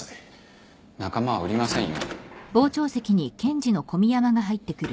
仲間は売りませんよ。